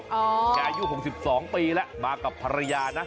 แกอายุ๖๒ปีแล้วมากับภรรยานะ